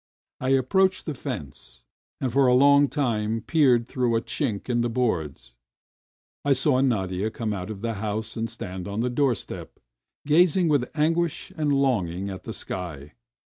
I approached the fence, and for a long time peered through a chink in the boards. I saw Nadia come out of the house and stand on the door step, gazing with anguish and longing at the sky.